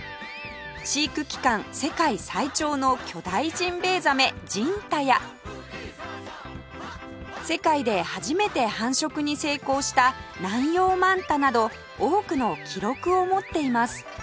飼育期間世界最長の巨大ジンベエザメジンタや世界で初めて繁殖に成功したナンヨウマンタなど多くの記録を持っています